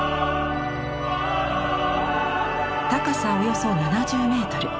高さおよそ７０メートル。